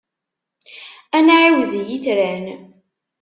Ad nεiwez i yitran.